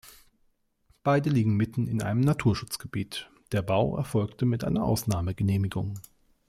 Beide liegen mitten in einem Naturschutzgebiet, der Bau erfolgte mit einer Ausnahmegenehmigung.